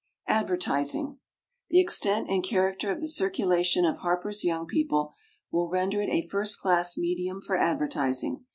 ADVERTISING. The extent and character of the circulation of HARPER'S YOUNG PEOPLE will render it a first class medium for advertising.